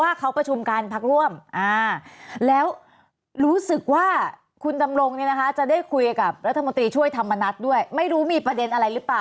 ว่าเค้าประชุมการพักร่วมแล้วรู้สึกว่าคุณทำลงจะได้คุยกับรัฐมนตรีช่วยถามม้านัทด้วยไม่รู้มีประเด็นอะไร